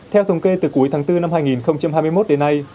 theo thống kê từ cuối tháng bốn năm hai nghìn hai mươi một đến nay